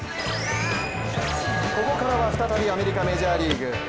ここからは再びアメリカメジャーリーグ。